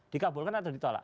dikabulkan atau ditolak